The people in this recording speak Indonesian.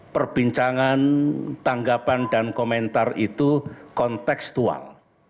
perbincangan tanggapan dan komentar itu kontekstual